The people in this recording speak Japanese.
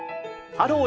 「ハロー！